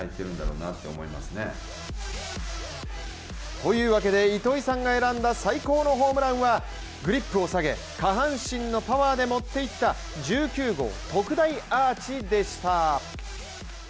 というわけで、糸井さんが選んだ最高のホームランはグリップを下げ、下半身のパワーで持っていった１９号特大アーチでした。